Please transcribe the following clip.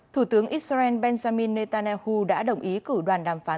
thủ tướng israel benjamin netanyahu đã đồng ý cử đoàn đàm phán